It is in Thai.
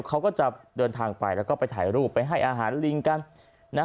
เขาก็จะเดินทางไปแล้วก็ไปถ่ายรูปไปให้อาหารลิงกันนะ